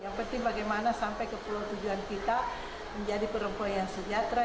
yang penting bagaimana sampai ke pulau tujuan kita menjadi perempuan yang sejahtera